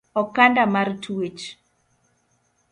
Okanda mar twech